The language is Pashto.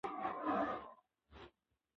دا سړی چي درته ځیر دی مخامخ په آیینه کي